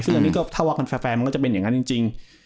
ซึ่งอันนี้ก็ถ้าว่ามันแฟร์มันก็จะเป็นอย่างนั้นจริง